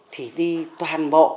thì đi toàn bộ